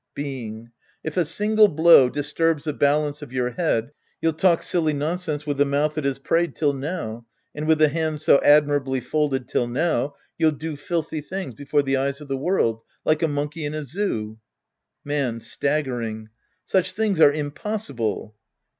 Being. If a single blow disturbs the balance of your head, you'll talk .silly nonsense with the mouth that has prayed till now, and with the hands so admi rably folded till now, you'll do filthy things before the eyes of the world. Like a monkey in a zoo. Man {staggering). Such things are impossible.